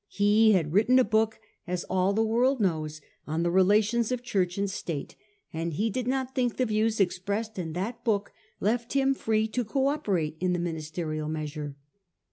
He had written a work, as all the world knows, on the relations of Church and State, and he did not think the views expressed in that book left him free to co operate in the ministerial measure.